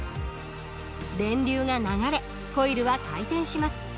電流が流れコイルは回転します。